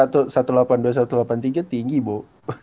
tapi dia satu ratus delapan puluh dua satu ratus delapan puluh tiga tinggi boh